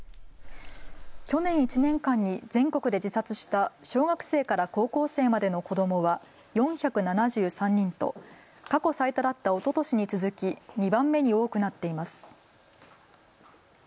去年１年間に全国で自殺した小学生から高校生までの子どもは４７３人と過去最多だったおととしに続き２番目に多くなっています。